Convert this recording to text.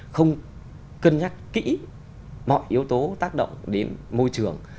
không cân nhắc kỹ mọi yếu tố tác động đến môi trường